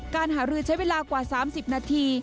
การหารือใช้เวลากว่า๓๐นาที